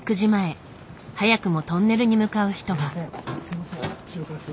早くもトンネルに向かう人が。